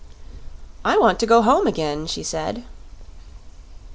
"I want to go home again," she said.